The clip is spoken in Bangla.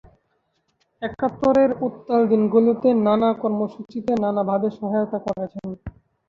একাত্তরের উত্তাল দিনগুলোতে নানা কর্মসূচিতে নানাভাবে সহায়তা করেছেন।